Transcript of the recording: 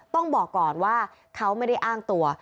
ต้องบอกก่อนว่าเขาไม่ได้อ้างตัว